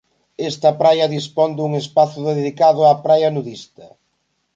Esta praia dispón dun espazo dedicado a praia nudista.